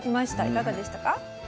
いかがでしたか？